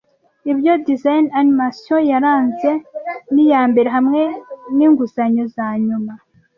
Ibyo Disney animasiyo yaranze niyambere hamwe ninguzanyo zanyuma